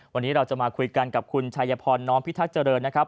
วันนี้เราจะมาคุยกันกับคุณชายพรน้อมพิทักษ์เจริญนะครับ